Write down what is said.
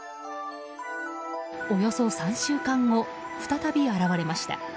およそ３週間後、再び現れました。